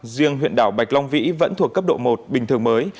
riêng huyện đảo bạch long vĩ vẫn thuộc cấp độ một bình thường mới